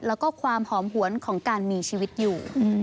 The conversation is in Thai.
แล้วก็ความหอมหวนของการมีชีวิตอยู่